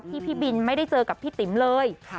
พี่บินไม่ได้เจอกับพี่ติ๋มเลย